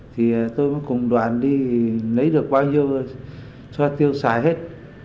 thì tôi mới cùng đoàn đi lấy được bao nhiêu cho tiêu xài hết